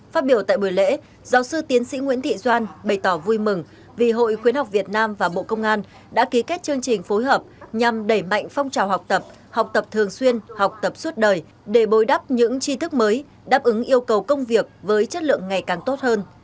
phát biểu tại buổi lễ giáo sư tiến sĩ nguyễn thị doan bày tỏ vui mừng vì hội khuyến học việt nam và bộ công an đã ký kết chương trình phối hợp nhằm đẩy mạnh phong trào học tập học tập thường xuyên học tập suốt đời để bồi đắp những chi thức mới đáp ứng yêu cầu công việc với chất lượng ngày càng tốt hơn